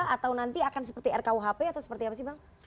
atau nanti akan seperti rkuhp atau seperti apa sih bang